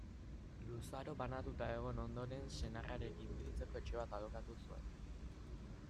Luzaro banatuta egon ondoren, senarrarekin biltzeko etxe bat alokatu zuen.